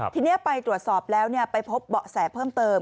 ทีนี้ไปตรวจสอบแล้วไปพบเบาะแสเพิ่มเติม